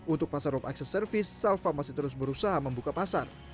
untuk pasar rope acces service salva masih terus berusaha membuka pasar